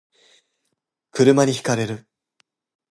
車に轢かれる